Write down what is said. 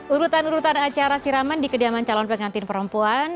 urutan urutan acara siraman di kediaman calon pengantin perempuan